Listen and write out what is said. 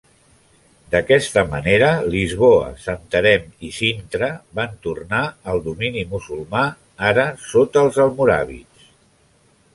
D'aquesta manera, Lisboa, Santarém i Sintra van tornar al domini musulmà, ara sota els almoràvits.